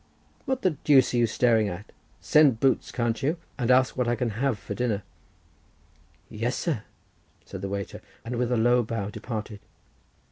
"What the deuce are you staring at? send boots, can't you, and ask what I can have for dinner." "Yes, sir," said the waiter, and with a low bow departed.